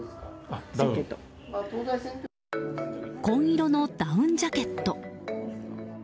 紺色のダウンジャケット。